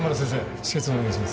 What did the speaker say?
止血お願いします。